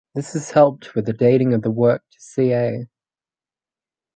This has helped with the dating of the work to ca.